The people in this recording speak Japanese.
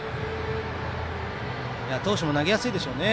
投手も投げやすいでしょうね。